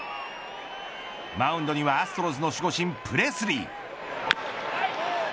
マウンドにはアストロズの守護神プレスリー。